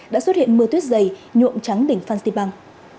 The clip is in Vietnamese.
đã xuất hiện mưa tuyết dày nhuộm trắng đỉnh phan xipang